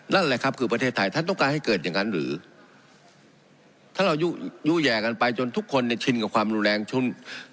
นั่นแหละครับคือประเทศไทยท่านต้องการให้เกิดอย่างนั้นหรือถ้าเรายู่แห่กันไปจนทุกคนเนี่ยชินกับความรุนแรง